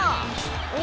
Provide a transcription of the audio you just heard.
お！